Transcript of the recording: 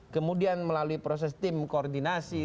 kemudian melalui proses tim koordinasi